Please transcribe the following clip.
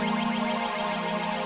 pertama kali perjamin dengan dia adalah